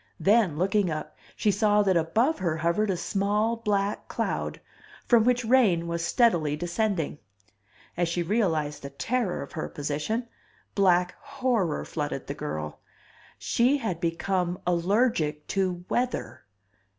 Then, looking up, she saw that above her hovered a small black cloud, from which rain was steadily descending. As she realized the terror of her position, black horror flooded the girl. SHE HAD BECOME ALLERGIC TO WEATHER!